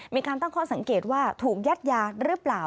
มีการตั้งข้อสังเกตว่าถูกยัดยาหรือเปล่า